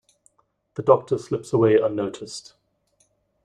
The Doctor slips away unnoticed.